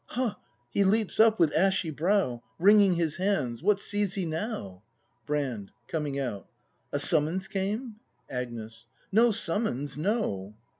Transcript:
^ Ha! he leaps up with ashy brow! Wringing his hands! what sees he now! Brand. [Coming out.] A summons came .'' Agnes. No summons, no!